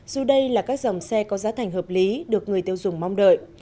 dù đây là các dòng xe có giá thành hợp lý được người tiêu dùng mong đợi